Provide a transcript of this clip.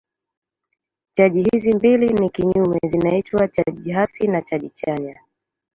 Chaji hizi mbili ni kinyume zinaitwa chaji hasi na chaji chanya.